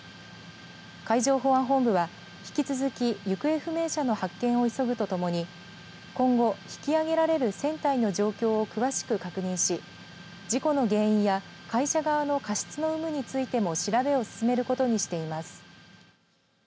海上保安本部は引き続き行方不明者の発見を急ぐとともに今後、引き揚げられる船体の状況を詳しく確認し事故の原因や会社側の過失の有無についても調べを進めることにしています。